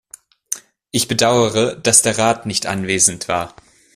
Ich bedauere, dass der Rat nicht anwesend war.